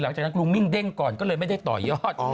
หลังจากนั้นลุงมิ่งเด้งก่อนก็เลยไม่ได้ต่อยอด